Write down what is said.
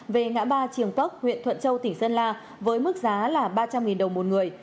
về ngã ba trường park huyện thuận châu tỉnh sơn la với mức giá là ba trăm linh đồng một người